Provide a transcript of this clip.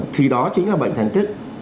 thì đó chính là bệnh thành tích